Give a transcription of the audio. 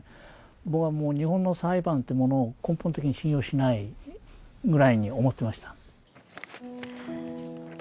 僕はもう日本の裁判ってものを根本的に信用しないぐらいに思ってました。